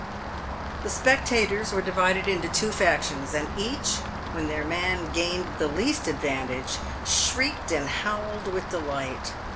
189 The spectators were divided into two factions, and each, when their man gained the least advantage, shrieked and howled with de light.